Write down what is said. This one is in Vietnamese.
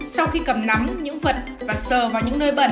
sau khi cầm nắm những vật và sờ vào những nơi bẩn